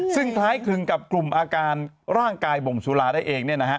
ซึ่งคล้ายคลึงกับกลุ่มอาการร่างกายบ่งสุราได้เอง